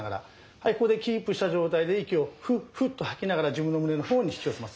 はいここでキープした状態で息をフッフッと吐きながら自分の胸の方に引き寄せます。